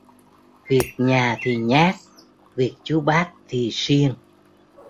Việc nhà thì nhác việc chú bác thì siêng